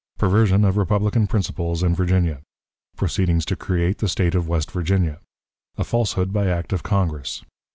Perversion of Republican Principles in Virginia. Proceedings to create the State of West Virginia. A Falsehood by Act of Congress.